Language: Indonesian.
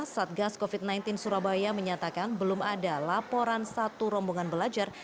satgas covid sembilan belas surabaya menyatakan belum ada laporan satu rombongan belajar